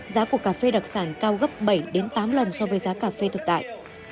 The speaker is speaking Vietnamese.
giá của cà phê đặc sản cao gấp bảy tám lần so với giá cà phê thực tại